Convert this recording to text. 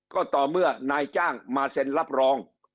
ก็ต่อเมื่อนายจ้างมาเซ็นรับรอง